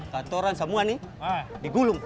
kantoran semua nih digulung